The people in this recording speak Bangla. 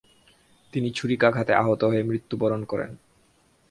তিনি ছুরিকাঘাতে আহত হয়ে মৃত্যুবরণ করেন।